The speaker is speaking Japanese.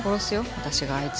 私があいつを。